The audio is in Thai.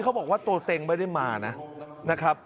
บอกว่าตัวเต็งไม่ได้มานะครับ